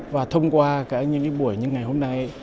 và thông qua những buổi như ngày hôm nay